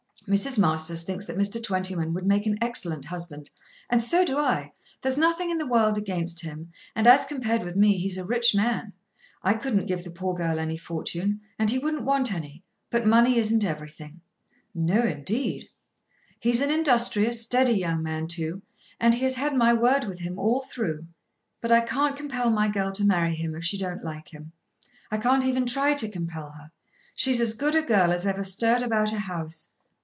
Mrs. Masters thinks that Mr. Twentyman would make an excellent husband. And so do I. There's nothing in the world against him, and as compared with me he's a rich man. I couldn't give the poor girl any fortune, and he wouldn't want any. But money isn't everything." "No indeed." "He's an industrious steady young man too, and he has had my word with him all through. But I can't compel my girl to marry him if she don't like him. I can't even try to compel her. She's as good a girl as ever stirred about a house."